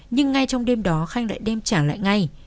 nhưng ngay trong đêm đó khanh lại đem trả lại ngay